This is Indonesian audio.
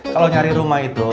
kalo nyari rumah itu